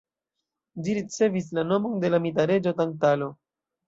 Ĝi ricevis la nomon de la mita reĝo Tantalo.